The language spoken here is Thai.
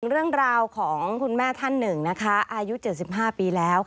เรื่องราวของคุณแม่ท่านหนึ่งนะคะอายุ๗๕ปีแล้ว